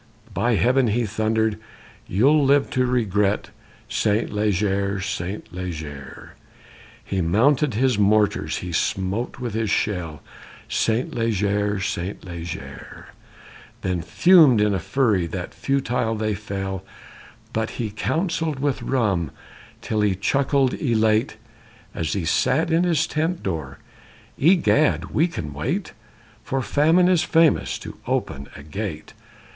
_ By Heaven! he thundered, you'll live to regret Saint Leger, Saint Leger! He mounted his mortars, he smote with his shell, Saint Leger, Saint Leger; Then fumed in a fury that futile they fell; But he counselled with rum till he chuckled, elate, As he sat in his tent door, Egad, we can wait, For famine is famous to open a gate!